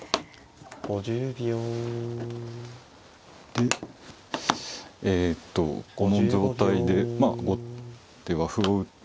でえとこの状態でまあ後手は歩を打って。